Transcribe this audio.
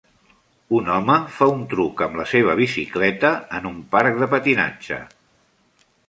Un home fa un truc amb la seva bicicleta en un parc de patinatge.